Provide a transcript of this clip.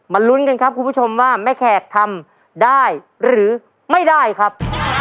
ลุ้นกันครับคุณผู้ชมว่าแม่แขกทำได้หรือไม่ได้ครับ